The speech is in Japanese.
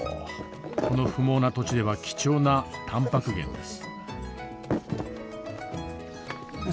この不毛な土地では貴重なたんぱく源です。